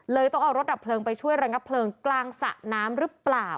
ต้องเอารถดับเพลิงไปช่วยระงับเพลิงกลางสระน้ำหรือเปล่า